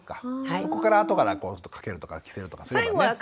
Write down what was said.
そこからあとから掛けるとか着せるとかすればね。